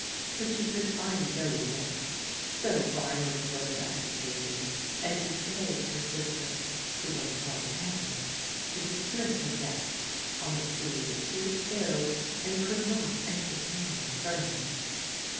But she could find no rest, so violent was her agitation, and she begged her sister, who was called Anne, to dismiss her guests, on the plea that she was ill and could not enter tain them further.